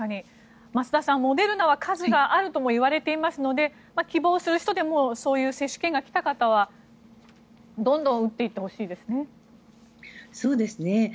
増田さんモデルナは数があるともいわれていますので希望する人でもそういう接種券が来た方はどんどん打っていってほしいですね。